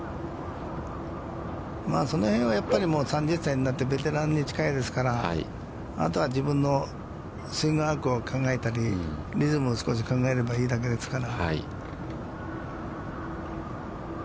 まあ、その辺は３０歳になって、ベテランに近いですから、あとは自分のスイングワークを考えたり、リズムを少し考えればいいだけですから。